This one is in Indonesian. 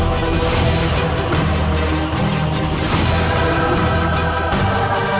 biar hamba saja yang menghadapi mereka